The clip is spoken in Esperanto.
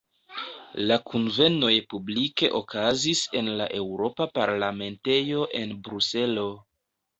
La kunvenoj publike okazis en la Eŭropa Parlamentejo en Bruselo.